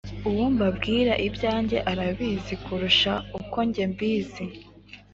Uwo mbabwira ibyanjye arabizi kurusha uko nanjye mbizi